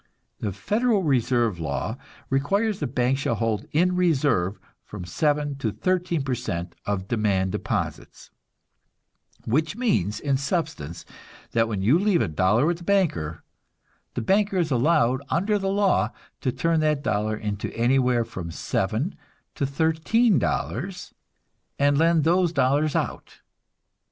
The Federal Reserve law requires that banks shall hold in reserve from seven to thirteen per cent of demand deposits; which means, in substance, that when you leave a dollar with a banker, the banker is allowed, under the law, to turn that dollar into anywhere from seven to thirteen dollars, and lend those dollars out.